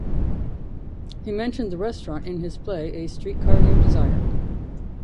He mentioned the restaurant in his play "A Streetcar Named Desire".